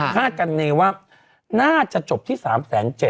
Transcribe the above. คาดการณ์ว่าน่าจะจบที่๓แสน๗